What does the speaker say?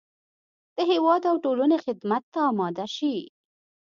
د هېواد او ټولنې خدمت ته اماده شي.